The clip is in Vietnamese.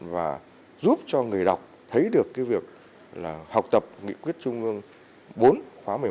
và giúp cho người đọc thấy được việc học tập nghị quyết trung ương bốn khóa một mươi một